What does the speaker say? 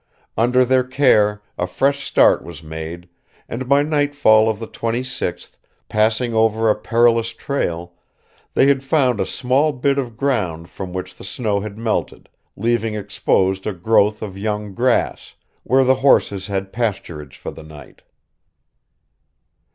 Under their care a fresh start was made, and by nightfall of the 26th, passing over a perilous trail, they had found a small bit of ground from which the snow had melted, leaving exposed a growth of young grass, where the horses had pasturage for the night.